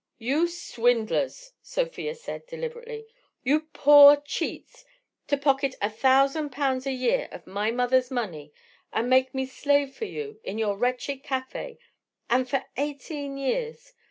"You swindlers!" Sofia said, deliberately. "You poor cheats! To pocket a thousand pounds a year of my mother's money—and make me slave for you in your wretched café! And for eighteen years!